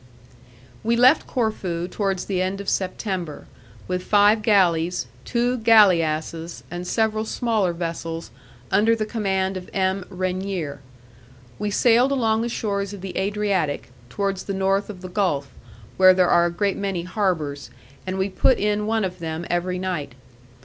We left Corfu towards the end of September, with five galleys, two galeasses, and several smaller vessels, under the command of M. Renier. We sailed along the shores of the Adriatic, towards the north of the gulf, where there are a great many harbours, and we put in one of them every night.